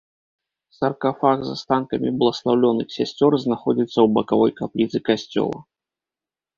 Саркафаг з астанкамі бласлаўлёных сясцёр знаходзіцца ў бакавой капліцы касцёла.